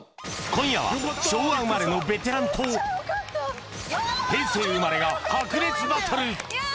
今夜は昭和生まれのベテランと平成生まれが白熱バトル。